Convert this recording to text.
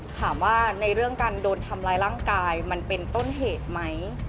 ถามว่าในเรื่องการโดนทำร้ายร่างกายมันเป็นต้นเหตุไหม